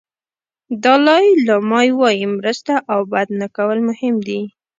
دالای لاما وایي مرسته او بد نه کول مهم دي.